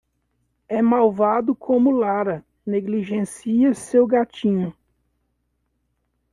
É malvado como Lara negligencia seu gatinho.